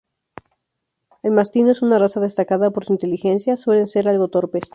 El mastín no es una raza destacada por su inteligencia, suelen ser algo torpes.